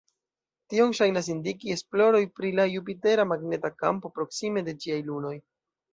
Tion ŝajnas indiki esploroj pri la Jupitera magneta kampo proksime de ĝiaj lunoj.